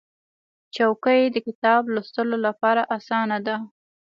چوکۍ د کتاب لوستلو لپاره اسانه ده.